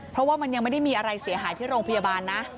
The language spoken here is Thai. เพราะว่ามันยังไม่ได้มีอะไรเสียหายที่โรงพยาบาลนะ